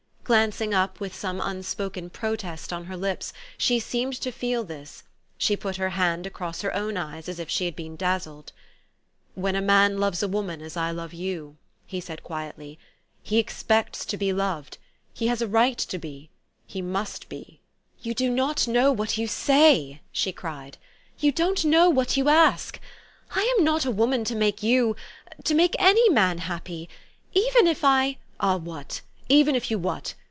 Glancing up with some unspoken protest on her lips, she seemed to feel this ; she put her hand across her own eyes as if she had been dazzled. " When a man loves a woman as I love you," he said quietly, '' he expects to be loved ; he has a right to be ; he must be." THE STORY OF AVIS. 121 " You do not know what you saj T !" she cried : "you don't know what you ask. I am not a woman to make you to make any man happy. Even if I" "Ah, what? Even if you what?